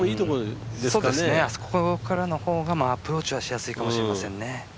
あそこからの方がアプローチしやすいかもしれませんね。